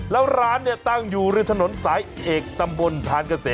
แล้วร้านเนี่ยตั้งอยู่ริมถนนสายเอกตำบลทานเกษม